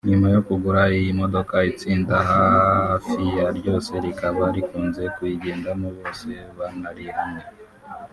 nyuma yo kugura iyi modoka itsinda hafi ya ryose rikaba rikunze kuyigenderamo bose banari hamwe